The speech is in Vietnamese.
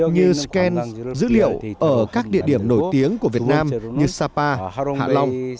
như scan dữ liệu ở các địa điểm nổi tiếng của việt nam như sapa hạ long